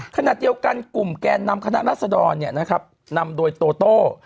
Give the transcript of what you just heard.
ขณะเดียวกันกลุ่มแกนนำคณะรัศดรนำโดยโตโต้